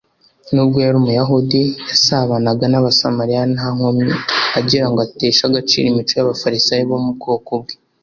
N’ubwo yari Umuyuda, yasabanaga n’Abasamariya nta nkomyi, agira ngo ateshe agaciro imico y’Abafarisayo bo mu bwoko bwe